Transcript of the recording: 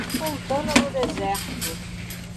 Santana do Deserto